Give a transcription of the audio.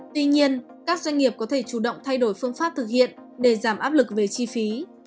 tuy nhiên các doanh nghiệp có thể chủ động thay đổi phương pháp thực hiện để giảm áp lực về chi phí